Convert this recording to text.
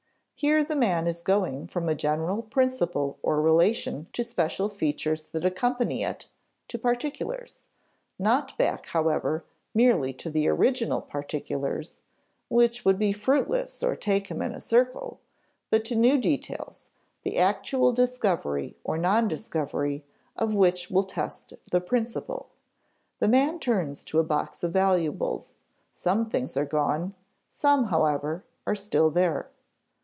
Here the man is going from a general principle or relation to special features that accompany it, to particulars, not back, however, merely to the original particulars (which would be fruitless or take him in a circle), but to new details, the actual discovery or nondiscovery of which will test the principle. The man turns to a box of valuables; some things are gone; some, however, are still there.